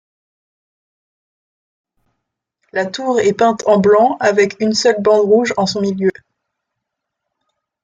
La tour est peinte en blanc avec une seule bande rouge en son milieu.